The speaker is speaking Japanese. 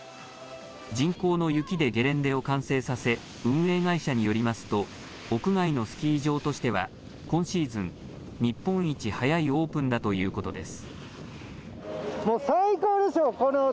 人工の雪でゲレンデを完成させ、運営会社によりますと、屋外のスキー場としては今シーズン、日本一早いオープンだということです。